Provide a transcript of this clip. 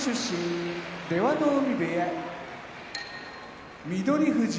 出羽海部屋翠富士